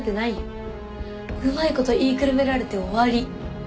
うまい事言いくるめられて終わり。